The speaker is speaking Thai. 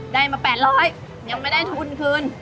ได้มา๘๐๐ยังไม่ได้ทุนคืน